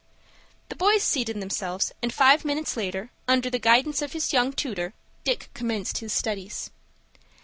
The boys seated themselves, and five minutes later, under the guidance of his young tutor, Dick had commenced his studies.